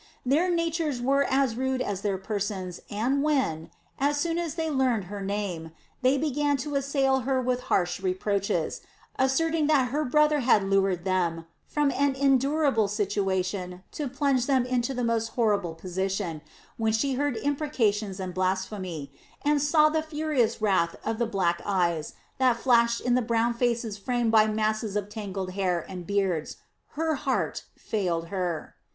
Their natures were as rude as their persons and when, as soon as they learned her name, they began to assail her with harsh reproaches, asserting that her brother had lured them from an endurable situation to plunge them into the most horrible position, when she heard imprecations and blasphemy, and saw the furious wrath of the black eyes that flashed in the brown faces framed by masses of tangled hair and beards, her heart failed her.